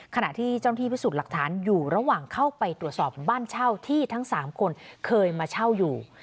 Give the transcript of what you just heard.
ขณะที่เจ้าหน้าที่พิสูจน์หลักฐานอยู่ระหว่างเข้าไปตรวจสอบบ้านเช่าที่ทั้ง๓คนเคยมาเช่าอยู่